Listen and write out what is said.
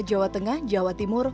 jawa tengah jawa timur